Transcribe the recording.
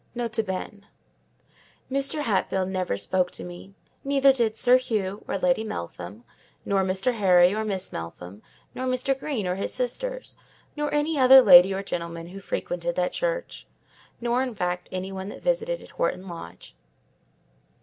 Nota bene.—Mr. Hatfield never spoke to me, neither did Sir Hugh or Lady Meltham, nor Mr. Harry or Miss Meltham, nor Mr. Green or his sisters, nor any other lady or gentleman who frequented that church: nor, in fact, any one that visited at Horton Lodge.